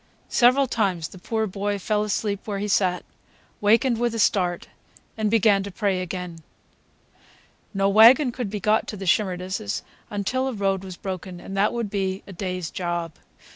Several times the poor boy fell asleep where he sat, wakened with a start, and began to pray again. No wagon could be got to the Shimerdas' until a road was broken, and that would be a day's job.